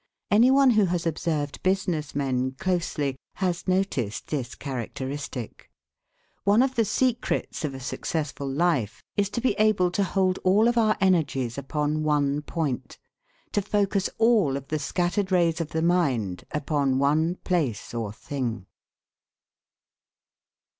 Any one who has observed business men closely, has noticed this characteristic. One of the secrets of a successful life is to be able to hold all of our energies upon one point, to focus all of the scattered rays of the mind upon one place or thing.